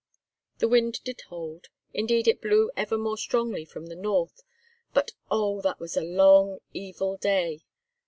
The wind did hold, indeed it blew ever more strongly from the north; but oh! that was a long, evil day.